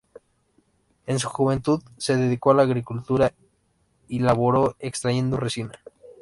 En su juventud se dedicó a la agricultura y laboró extrayendo resina.